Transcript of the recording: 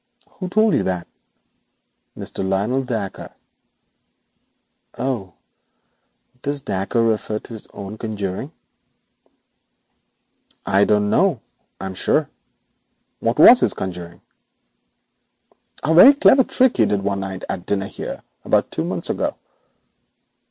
'Who told you that?' 'Mr. Lionel Dacre.' 'Oh, does Dacre refer to his own conjuring?' 'I don't know, I'm sure. What was his conjuring?' 'A very clever trick he did one night at dinner here about two months ago.'